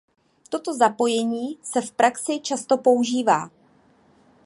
Toto zapojení se v praxi často používá.